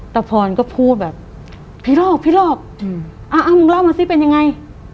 ตะพรก็พูดแบบพี่หลอกพี่หลอกอ้าวมึงเล่ามาสิเป็นยังไง